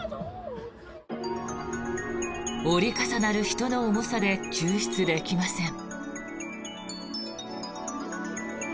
折り重なる人の重さで救出できません。